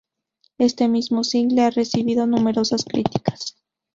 Éste mismo single, ha recibido numerosas críticas.